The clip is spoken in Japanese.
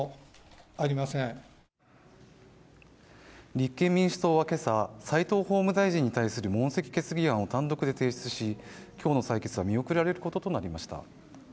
立憲民主党は今朝、斎藤法務大臣に対する問責決議案を単独で提出し、今日の採決は見送られることとなりました。